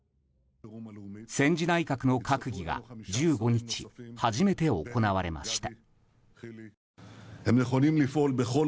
戦時内閣の閣議が１５日初めて行われました。